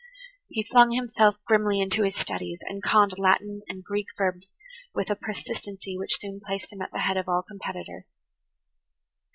He flung himself grimly into his studies and conned Latin and Greek verbs with a persistency which soon placed him at the head of all competitors.